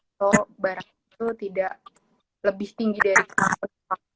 atau barang itu tidak lebih tinggi dari penumpang